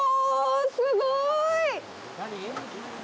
すごーい！